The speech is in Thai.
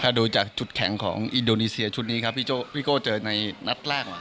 ถ้าดูจากจุดแข็งของอินโดนีเซียชุดนี้ครับพี่โก้เจอในนัดแรก